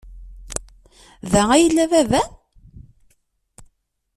Da ay yella baba-m?